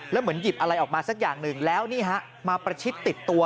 แล้วเหมือนหยิบอะไรออกมาสักอย่างหนึ่งแล้วนี่ฮะมาประชิดติดตัว